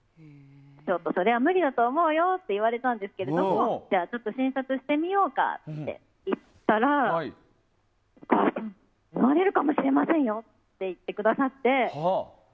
それは無理だと思うよって言われたんですけども診察してみようかといったら生まれるかもしれませんよ！って言ってくださって。